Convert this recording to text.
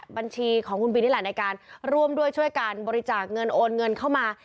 บัญชีของคุณบินนี่แหละในการร่วมด้วยช่วยกันบริจาคเงินโอนเงินเข้ามา